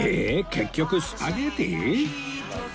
結局スパゲティ？